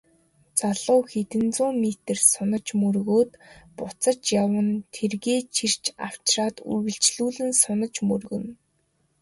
Залуу хэдэн зуун метр сунаж мөргөөд буцаж яван тэргээ чирч авчраад үргэлжлүүлэн сунаж мөргөнө.